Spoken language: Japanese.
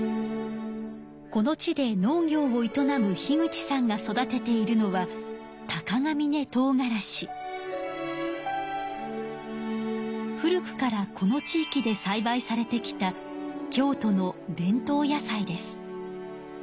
この地で農業を営む口さんが育てているのは古くからこの地いきでさいばいされてきた京都の伝統野菜です。